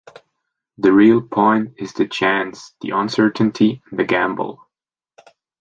The real point is the chance, the uncertainty, the gamble.